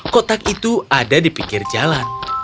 kotak itu ada di pinggir jalan